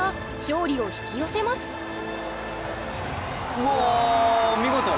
うわ見事。